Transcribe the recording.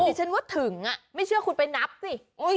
ดิฉันว่าถึงไม่เชื่อคุณไปนับสิ